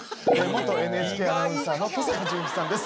ＮＨＫアナウンサーの登坂淳一さんです